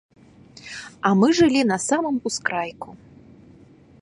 А мы жылі на самым ускрайку.